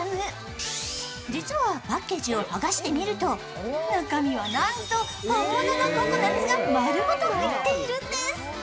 実は、パッケージを剥がしてみると中身は、なんと本物のココナッツが丸ごと入ってるんです。